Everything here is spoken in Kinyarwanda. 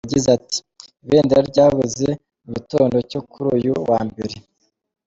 Yagize ati “Ibendera ryabuze mu gitondo cyo kuri uyu wa Mbere.